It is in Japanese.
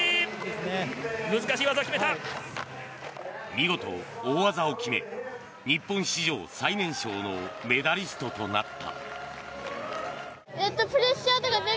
見事、大技を決め日本史上最年少のメダリストとなった。